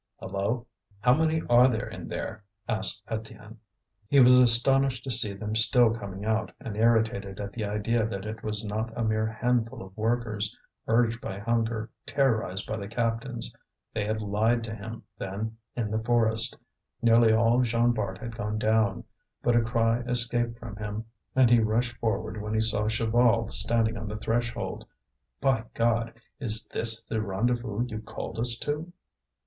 "Hallo! how many are there in there?" asked Étienne. He was astonished to see them still coming out, and irritated at the idea that it was not a mere handful of workers, urged by hunger, terrorized by the captains. They had lied to him, then, in the forest; nearly all Jean Bart had gone down. But a cry escaped from him and he rushed forward when he saw Chaval standing on the threshold. "By God! is this the rendezvous you called us to?"